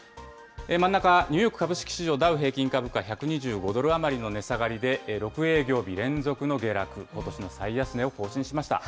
真ん中、ニューヨーク株式市場ダウ平均株価、１２５ドル余りの値下がりで、６営業日連続の下落、ことしの最安値を更新しました。